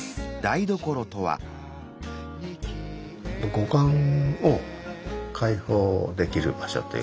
五感を解放できる場所というか。